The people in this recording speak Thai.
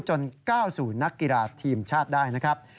ก้าวสู่นักกีฬาทีมชาติได้นะครับ